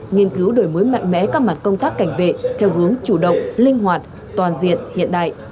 nghiên cứu đổi mới mạnh mẽ các mặt công tác cảnh vệ theo hướng chủ động linh hoạt toàn diện hiện đại